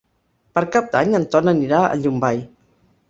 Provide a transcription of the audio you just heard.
Per Cap d'Any en Ton anirà a Llombai.